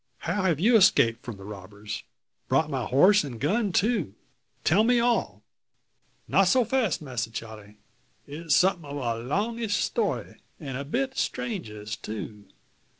How have you escaped from the robbers? Brought my horse and gun too! Tell me all!" "Not so fass, Masser Charle. It's something o' a longish story, an' a bit strangeish too.